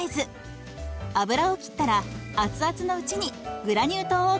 油を切ったら熱々のうちにグラニュー糖をからめます。